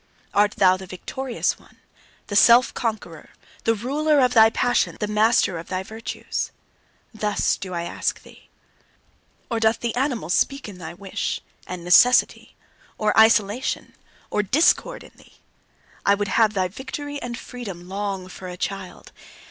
Art thou the victorious one, the self conqueror, the ruler of thy passions, the master of thy virtues? Thus do I ask thee. Or doth the animal speak in thy wish, and necessity? Or isolation? Or discord in thee? I would have thy victory and freedom long for a child.